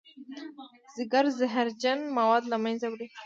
ځیګر زهرجن مواد له منځه وړي